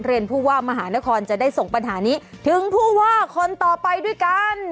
ผู้ว่ามหานครจะได้ส่งปัญหานี้ถึงผู้ว่าคนต่อไปด้วยกัน